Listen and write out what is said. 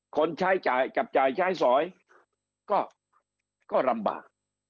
คนใช้จ่ายกับจ่ายใช้สอยก็ลำบาก